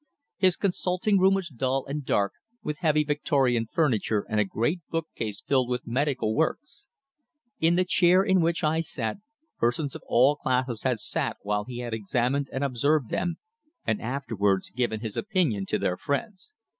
His consulting room was dull and dark, with heavy Victorian furniture and a great bookcase filled with medical works. In the chair in which I sat persons of all classes had sat while he had examined and observed them, and afterwards given his opinion to their friends.